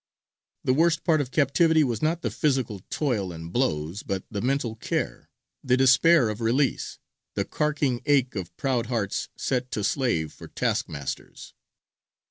The worst part of captivity was not the physical toil and blows, but the mental care, the despair of release, the carking ache of proud hearts set to slave for taskmasters.